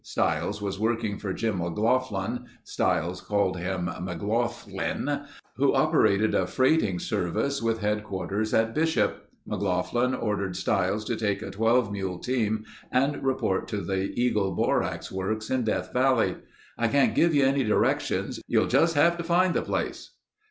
Stiles was working for Jim McLaughlin (Stiles called him McGlothlin), who operated a freighting service with headquarters at Bishop. McLaughlin ordered Stiles to take a 12 mule team and report to the Eagle Borax Works in Death Valley. "I can't give you any directions. You'll just have to find the place."